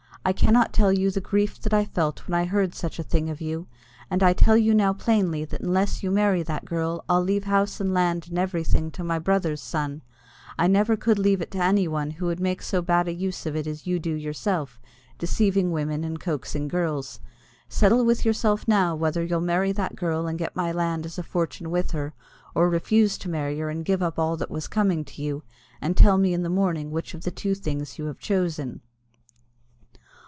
I cannot tell you the grief that I felt when I heard such a thing of you, and I tell you now plainly that unless you marry that girl I'll leave house and land and everything to my brother's son. I never could leave it to anyone who would make so bad a use of it as you do yourself, deceiving women and coaxing girls. Settle with yourself now whether you'll marry that girl and get my land as a fortune with her, or refuse to marry her and give up all that was coming to you; and tell me in the morning which of the two things you have chosen."